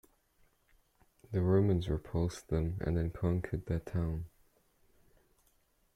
The Romans repulsed them and then conquered their town.